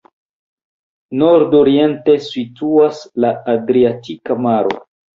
Nord-oriente situas la Adriatika maro.